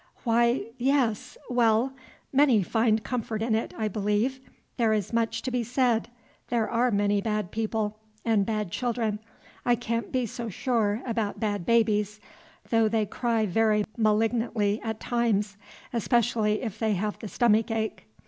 "Why, yes, well, many find comfort in it, I believe; there is much to be said, there are many bad people, and bad children, I can't be so sure about bad babies, though they cry very malignantly at times, especially if they have the stomach ache.